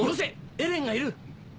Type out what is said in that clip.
エレンがいる！